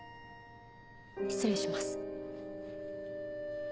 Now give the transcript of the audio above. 失礼します。